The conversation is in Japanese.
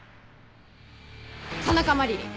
田中麻理鈴